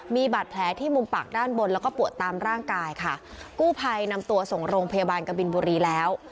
มีบาดแผลที่มุมปากด้านบนแล้วก็ปวดตามร่างกายค่ะกู้ภัยนำตัวส่งโรงพยาบาลกบินบุรีแล้ว